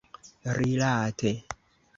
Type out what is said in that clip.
rilate